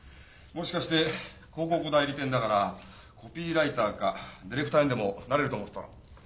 もしかして広告代理店だからコピーライターかディレクターにでもなれると思ってたの？